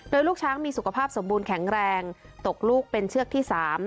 โดยลูกช้างมีสุขภาพสมบูรณแข็งแรงตกลูกเป็นเชือกที่๓